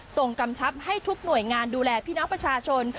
กำชับให้ทุกหน่วยงานดูแลพี่น้องประชาชน